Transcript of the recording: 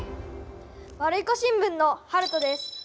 ワルイコ新聞のはるとです。